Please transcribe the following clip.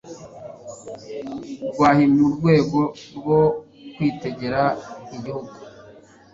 Rwahi mu rwego rwo kwitegera igihugu